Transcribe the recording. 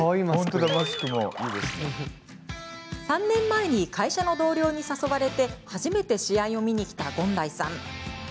３年前に会社の同僚に誘われて初めて試合を見に来た権代さん。